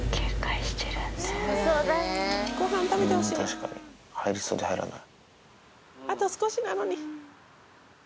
確かに、入りそうで入らない。